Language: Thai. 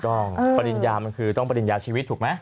ปริญญามันคือต้องปริญญาชีวิตถูกไหม